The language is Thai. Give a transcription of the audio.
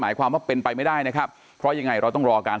หมายความว่าเป็นไปไม่ได้นะครับเพราะยังไงเราต้องรอการ